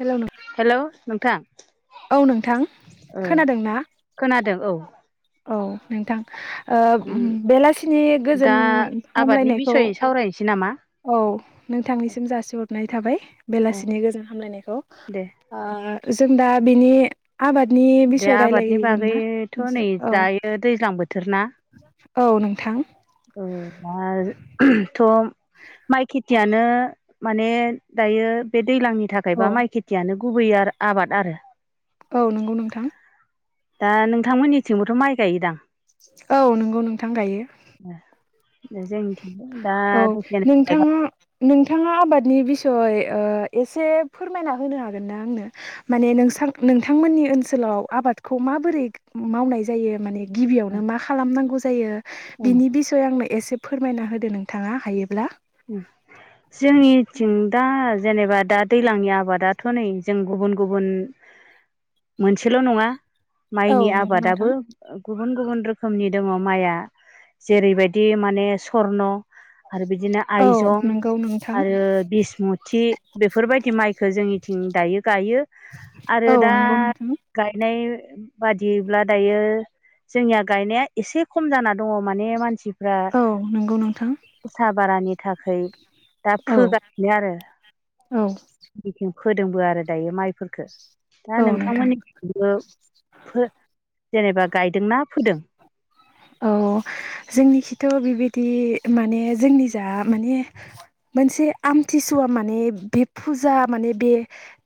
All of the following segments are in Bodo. हेल' न हेलौ नोंथां औ नोंथां खोनादोंना खोनादों औ औ नोंथां बेलासिनि गोजोन दा आबादनि हामलायनायखौ बिसयै सावरायनोसै नामा औ नोंथांनिसिम जासिहरनाय थाबाय बेलासिनि गोजोन हामलायनायखौ दे जों दा बिनि आबादनि दे बिसय आबादनि रायलायहगोन ना बागैथ' नै नोंसोर औ दायो दैज्लां बोथोर ना औ नोंथां माइ खेथियानो मान दायो दैज्लांनि औ थाखायबा माइ खेथियानो गुबै आबाद आरो औ नंगौ नोंथां दा नोंथांमोननिथिंबोथ' माइ गायदां औ नंगौ नोंथां गायो जोंथ औ नोंथाङा नोंथाङा नि बियस फोरमायना होनो हागोन ना आंनो मानोंथ जोंनि ओनसोलाव आबादखौ माबोरै मावनाय जायो माने गिबियावनो मा खालामनांगौ जायो बिनि बिसय आंनो एसे फोरमायना होदो नों नोंथाङा हायोब्ला [inaudible] जोंनिथिं दा जेनेबा दा दैज्लांनि आबादाथ' नै जों गुबुन गुबुन मोनसेल' नङा औ माइनि नंगौ नोंथां आबादाबो गुबुन गुबुन रोखोमनि दङ माइया जेरैबायदि माने सरन आरो बिदिनो औ आइजं नंगौ नोंथां आरो बिसमुथि बेफोरबायदि माइखौ जोंनिथिं दायो गायो औ आरो दा नंगौ नोंथां गायनाय बादिब्ला दायो जोंनिया गायनाया एसे खम जाना दङ माने मानसि औ नंगौ नोंथां बारानि थाखाय दा औ फोगासिनो आरो औ फोदोंबो आरो दायो माइफोरफोरखौ दा औ नोंथां नोंथांमोननि जेनेबा गायदोंना फोदों औ जोंनिखिथ' बेबायदि माने जोंनि जा माने मोनसे आमथिसुवा माने बे फुजा माने बे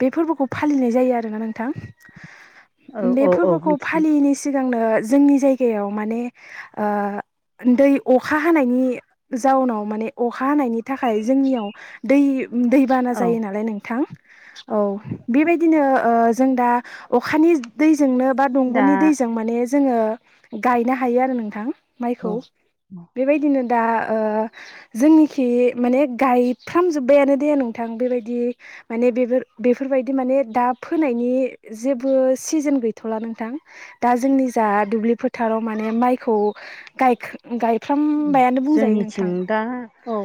बे फोरबोखौ फालिनाय जायो आरो ना नोंथां औ बे औ औ फोरबोखौ मिथिदों फालियैनि सिगांनो जोंनि जायगायाव माने आ दै अखा हानायनि जाउनाव माने अखा हानायनि थाखाय जोंनियाव दै दैबाना औ जायो नालाय नोंथां औ बेबायदिनो जों दा अखानि दै जोंनो बा दा दंग'नि दैजों माने जोङो गायनो हायो आरो नोंथां औ माइखौ औ बेबायदिनो दा जोंनिखि माने गायफ्रामजोब्बायानो दे नोंथां बेबायदि माने बेफोर बेफोरबायदि माने दा फोनायनि जेबो सिजोन गैथ'ला नोंथां दा जोंनि जा दुब्लि फोथाराव माने माइखौ उम गायफ्रामबायानो बुंजायो जोंनिथिं नोंथां दा औ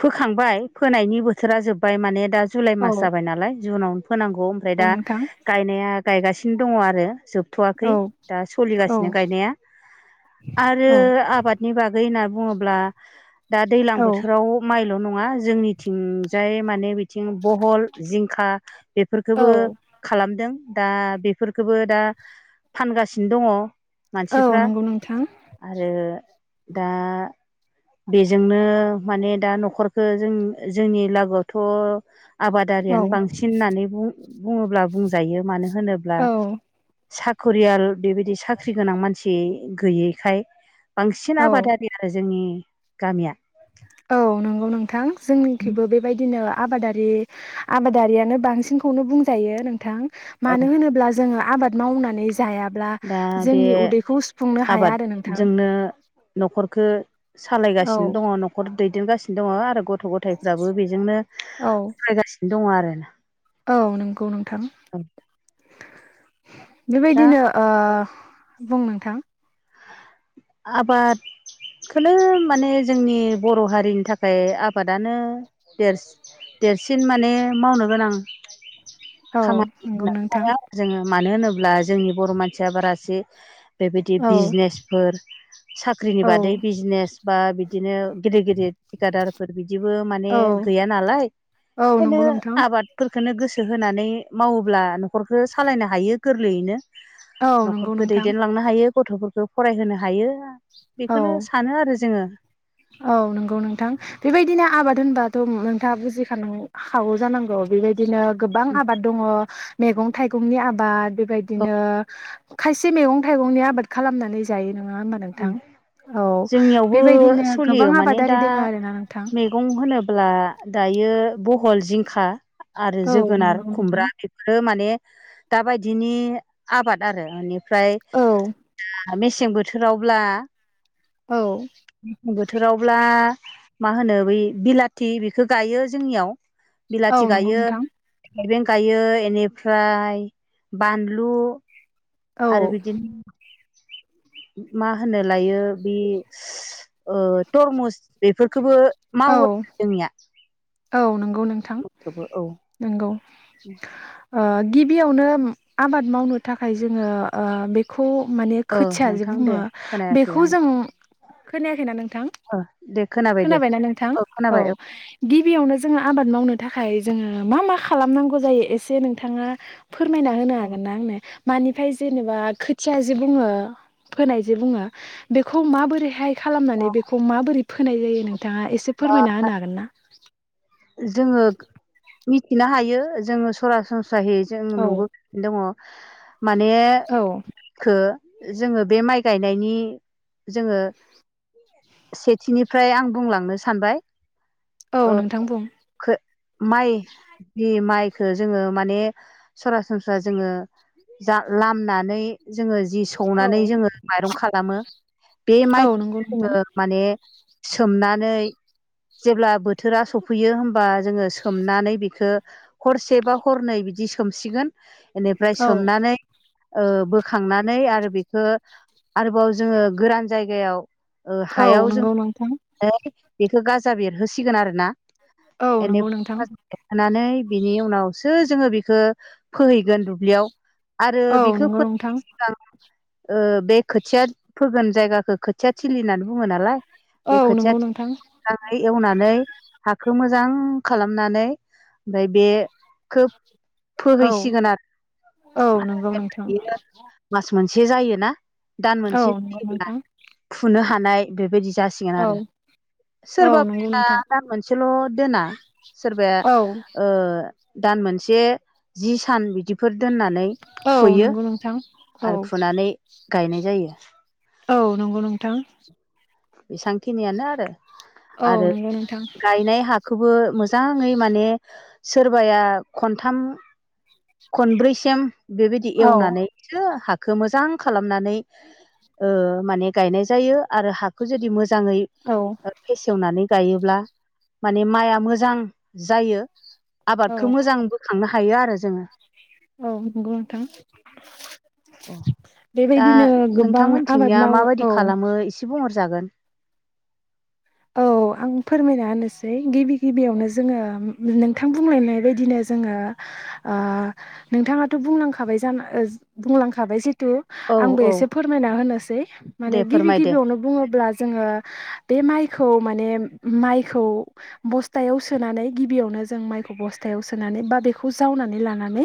फोखांबाय फोनायनि बोथोरा जोबबाय माने दा जुलाइ औ मास जाबाय नालाय जुनावनो फोनांगौ ओमफ्राय औ दा नोंथां गायनाया गायगासिनो दङ आरो जोब थ'वाखै औ दा औ सोलिगासिनो गायनाया आरो औ आबाद बागै होनना बुङोब्ला दा दैलां बोथोराव माइल' नङ नङा जोंनिथिंजाय माने बिथिं बहल जिंखा बेफोरखोबो औ खालामदों दा बेफोरखौबो दा फानगासिनो दङ औ मानसिफ्रा नंगौ नोंथां आरो दा बेजोंनो माने दा न'खरखौ जों जोंनि लागोयावथ' औ आबादारियानो बांसिन होननानै बुङोब्ला बुंजायो मानो होनोब्ला औ साख'रियाल बेबायदि साख्रि गोनां मानसि गैयैखाय बांसिन औ आबादारि आरो जोंनि गामिया औ नंगौ नोंथां जोंनिखैबो बेबायदिनो आबादारि आबादारियानो बांसिनखौनो बुंजायो नोंथां औ मानो होनोब्ला जों आबाद मावनानै जायाब्ला दा बे जोंनि उदैखौ सुफुंनो हाया आरो नोंथां खौ औ सालायगासिनो दङ न'खर दैदेनगासिनो दङ आरो गथ' गथायफ्राबो बेजोंनो औ सालायगासिनो दङ आरो औ नंगौ नोंथां दा बेबायदिनो ओ बुं नोंथां आबाद खोनो माने जोंनि बर' हारिनि थाखाय आबादानो देरसिन देरसिन माने मावनो गोनां औ खामानि नंगौ होननानै नोंथां लायो आरो जोङो मानो होनोब्ला जोंनि बर' मानसिया बारासे बेबायदि औ बिजनेसफोर साख्रिनि औ बादै बिजनेस बा बिदिनो गेदेर गिदिर थिकादारफोर बिदिबो माने औ गैया नालाय औ ओंखायनो नंगौ नोंथां आबादफोरखौनो गोसो होनानै मावोब्ला न'खरखौ सालायनो हायो गोरलैयैनो औ नंगौ न'खरखौ नोंथां दैदेनलांनो हायो गथ'फोरखौ फरायहोनो हायो औ बेखौनो सानो आरो जोङो औ नंगौ नोंथां बेबायदिनो आबाद होनबाथ' नोंथाङा बुजिखां हागौ जानांगौ बेबायदिनो गोबां आबाद दङ मैगं थाइगंनि आबाद बेबायदिनो खायसे मैगं थाइगंनि आबाद खालामनानै जायो नङा होमबा औ नोंथां औ बेबायदिनो गोबां खुलियो माने आबादारि दा दोङो आरोना नोंथां मेगं होनोब्ला दायो बह ल जिंखा आरो औ जोगोनार नंगौ नोंथां खुमब्रा बेफोरो माने दाबायदिनि आबाद आरो बेनिफ्राय औ आ मेसें बोथोर थोरावब्ला गोसें बोथोरावब्ला मा होनो बै बिलाथि बेखौ गायो जोंनियाव औ बिलाथि नंगौ गायो नोंथां थाइबें गायो बेनिफ्राय बानलु औ आरो बिदिनो मा होनो लायो बे ओ तरमुस बेफोरखौबो औ मावो जोंनिया औ नंगौ नोंथां बेखौबो नंगौ औ ओ गिबियावनो आबाद मावनो थाखाय जोङो ओ बेखौ खौ माने ओ खोथियाजे नोंथां दे बुङो खोनायाखै बेखौ आं जों खोनायाखैना नोंथां ओ दे खोनाबाय दे खोनाबायना नोंथां औ गिबियावनो जोङो आबाद मावनो थाखाय जोङो मा मा खालामनांगौ जायो एसे नोंथाङा फोरमायना होनो औ हागोनना आंनो? मानिफ्राय जेनेबा खोथिया जे बुङो फोनाय जे बुङो बेखौ माबोरैहाय खालामनानै बेखौ माबोरै फोनाय जायो नोंथाङा एसे फोरमायना होनो हागोन ना? जोङो मिथिनो हायो जोङो सरासनस्रायै जों औ नुबोसिनो दङ माने औ खौ [unintelligible] जोङो बे माइ गायनायनि जोङो सेथिनिफ्राय आं बुंलांनोसै सानबाय औ नोंथां बुं माइ माइ जोङो माने सरासनस्रा जोङो लामनानै जों जि सौनानै जोङो माइरं खालामो बे औ माइखौ नंगौ नोंथां जोङो माने सोमनानै जेब्ला बोथोरा सफैयो होमबा जोङो सोमनानै बेखौ हरसे बा हरनै बिदि सोमसिगोन बेनिफ्राय औ सोमनानै बोखांनानै आरो बेखौ आरोबाव जोङो गोरान जायगायाव औ हायाव जों नंगौ नोंथां बेखौ गाजा बेरहोसिगोन आरो ना औ ए नंगौ नोंथां एरखोनानै बिनि उनावसो जोङो बेखौ फोहैगोन दुब्लियाव आरो औ बेखौ नंगौ नोंथां फोनायनि सिगां बे खोथिया फोगोन जायगाखौ खोथिया थिलि होननानै बुङो नालाय औ नंगौ नोंथां ह एवनानै हाखौ मोजां खालामनानै ओमफ्राय बे खोब औ फोहैसिगोन औ नंगौ नोंथां आरो मास मोनसे से जायोना दान औ मोनसे नंगौ फोयोब्ला नोंथां फुनो हानाय बेबायदि जासिगोन औ आरो औ नंगौ सोरबाबाया नोंथां दाम मोनसेल' दोना औ सोरबाया दान मोनसे जि सान बिदिफोर दोननानै औ थुयो नंगौ नोंथां औ आरो फुनानै गायनाय जायो औ नंगौ नोंथां बेसेबांखिनियानो आरो औ आरो नंगौ नोंथां गायनाय हा खौबो मोजाङै माने सोरबाया खनथाम खनब्रैसिम बेबायदि औ एवनानैसो हा मोजां खालामनानै माने गायनाय जायो आरो हाखौ जुदि मोजां औ मोजाङै फेसेवनानै गायोब्ला माने माइआ मोजां जायो औ आबादखौ मोजां बोखांनो हायो थायो आरो जोङो औ नंगौ नोंथां दा बेबायदिनो गोबां आबाद नोंथांमोनथिंनिया मावो माबायदि औ खालामो एसे बुंहरसै जागोन औ आं फोरमायना होनोसै गिबि गिबियावनो जोङो नोंथां बुंलायनाय बायदिनो जोङो नोंथाङाथ' बुंलांखाबाय जाना बुंलांखाबाय ज औ आंबो औ एसे फोरमायना होनोसै दे माने गिबि फोरमायदो गिबियावनो बुङोब्ला जोङो बे माइ माने माइखौ बस्थायाव सोनानै गिबियावनो जों माइखौ बस्थायाव सोनानै बेनिफ्राय बेखौ जावनानै लानानै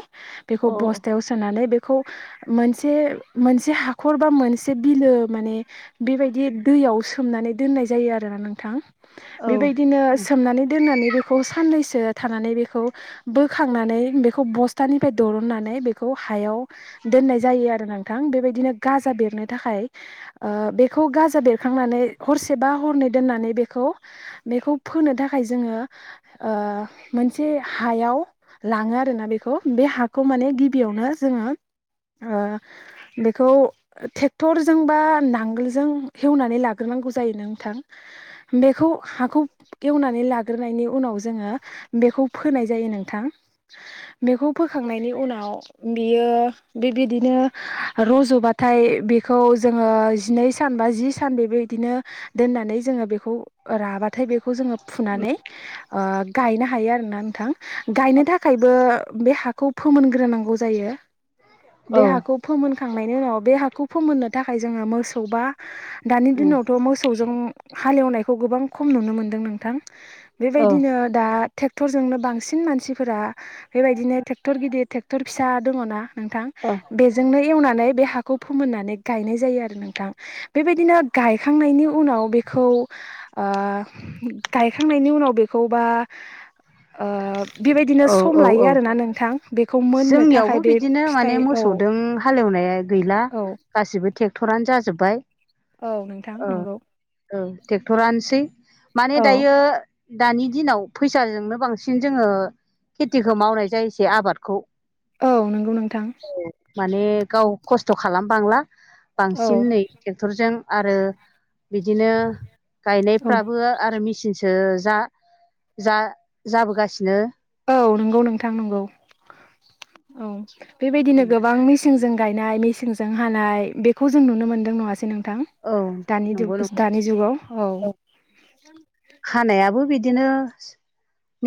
बेखौ औ बस्तायाव सोनानै मोनसे मोनसे हाखर बा मोनसे बिलो मान बेबायदि दै याव सोमनानै दोननाय जायो आरो नोंथां औ बेबायदिनो सोमनानै दोननानै बेखौ साननैसो थानानै बेखौ बोखांनानै बेखौ बस्थानिफ्राय दननानै बेखौ हायाव दोनाय जायो आरो नोंथां बेबायदिनो गाजा बेरनो थाखाय बेखौ गाजा बेरखांनानै हरसेबा हरनै दोननानै बेखौ फोनो थाखाय जोङो मोनसे हायाव लाङो आरोना बेखौ बे हाखौ माने गिबियावनो जोङो बेखौ ट्रेक्टरजों बा नांगोलजों एवनानै लाग्रोन। नांगौ जायो नों नोंथां बेखौ हाखौ एवनानै लाग्रोनायनि उनाव जोङो बेखौ फोनाय जायो नोंथां। बेखौ फोखांनायनि उनाव बियो बेबायदिनो रज'ब बाथाय बेखौ जोङो जिनै सान बा जि सान बेबायबायदिनो दोननानै जोङो बेखौ राबाथाय बेखौ जोङो फुनानै गायनो हायो आरोना नोंथां गायनो थाखायबो बे हाखौ फोमोनग्रोनांगौ जायो। बे औ हाखौ फोमोनखांनायनि उनाव बे हाखौ फोमोननो थाखाय जोङो मोसौ बा दानि दिनावथ' मोसौजों हालेवनायखौ गोबां खम नुनो मोनदों नोंथां। औ बेबायदिनो दा ट्रेक्टरजोंनो बांसिन मानसिफोरा बेबायदिनो ट्रेक्टर गिदिर ट्रेक्टर फिसा दङ ना। नोंथां बेजोंनो एवनानै बे हाखौ फोमोननानै गायनाय जायो आरो नोंथां बेबायदिनो गायखांनायनि उनाव बे बे खौ गायखांनायनि उनाव बेखौ बा ओ बेबायदिनो औ सम औ लायो औ आरोोना नोंथां बेखौ मोननो जोंनियावबो थाखाय बे बिदिनो माने फिथाइ औ मोसौदों हालेवनाया गैला औ गासिबो ट्रेक्टरानो जाजोबबाय। औ नोंथां नंगौ। औ ट्रेक्टरानोसै माने औ दायो दानि दिनाव फै फिसाजोंनो बांसिन जोङो खेथिखौ मावनाय जायोसै आबादखौ औ नंगौ नोंथां। माने गाव खस्थ' खालामबांला औ बांसिन नै ट्रेक्टरजों आरो बिदिनो औ गायनायफ्राबो आरो मेसिनसो जा जा जाबोगासिनो। औ नंगौ नोंथां नंगौ औ बेबायदिनो गोबां मि मेंजों गायनाय मेसेंजों हानाय बेखौ जों नुनो मोन्दों नङासै नोंथ औ नंगौ थ नंगौ दानि जुगाव औ हानायाबो बिदिनो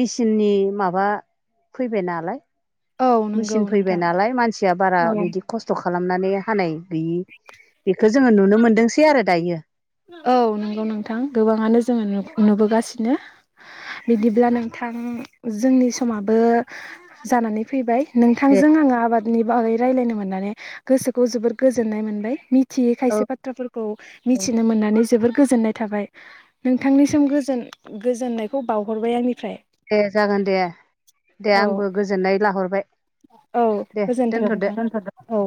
मेचिननि माबा फैबाय नालाय। औ नंगौ मेचिन फैबाय नोंथां नालाय मानसिया बारा औ बिदि खस्थ' खालामनानै हानाय गैयै बेखौ जोङो नुनो मोनदोंसै आरो दायो। औ नंगौ नोंथां गोबाङानो जोङो नुबोगासिनो। बिदिब्ला नोंथां जोंनि समाबो जानानै फैबाय। दे नोंथांजों आङो आबादनि बागै रायजलायनो मोननानै गोसोखौ जोबोद गोजोननाय मोनबाय। थि औ खायसे बाथ्राफोरखौ औ मिथिनो मोननानै जोबोर गोजोननाय थाबाय नोंथांनिसिम गोज गोजोननायखौ बावहरबाय आंनि दे जागोन दे दे औ आंबो गोजोननाय लाहरबाय। औ दे दोनथ'दो गोजोनथों औ